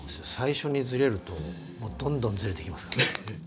最初にズレるともうどんどんズレていきますから。